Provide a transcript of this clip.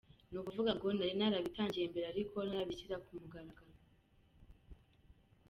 Ni ukuvuga ngo nari narabitangiye mbere ariko ntarabishyira ku mugaragaro.